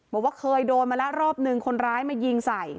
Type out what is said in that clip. บอกว่าเคยโดนมาแล้วรอบนึงคนร้ายมายิงใส่